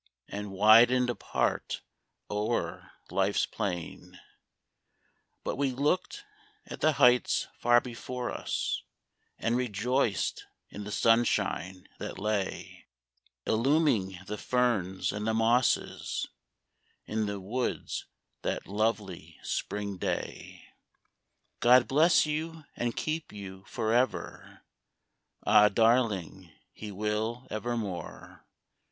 And widened apart o'er life's plain ; But we looked at the heights far before us, And rejoiced in the sunshine that lay Illuming the ferns and the mosses In the woods that lovely spring day. 87 ANSWERED, " God bless you and keep you forever \ Ah, darling ! He will evermore.